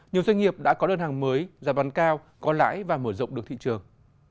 nhiều doanh nghiệp đã có lợn hàng mới giảm bán cao có lãi và mở rộng được thị trường